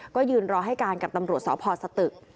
ก็ยืนรอให้การกับตำรวจสพสตึก